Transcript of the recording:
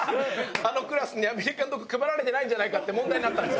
あのクラスにアメリカンドッグ配られてないんじゃないかって問題になったんですよ。